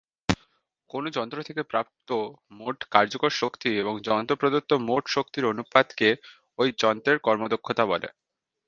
কোনো যন্ত্র থেকে প্রাপ্ত মোট কার্যকর শক্তি এবং যন্ত্রে প্রদত্ত মোট শক্তির অনুপাতকে ঐ যন্ত্রের কর্মদক্ষতা বলে।